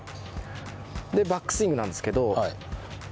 でバックスイングなんですけど。